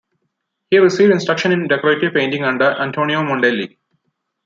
He received instruction in decorative painting under Antonio Mondelli.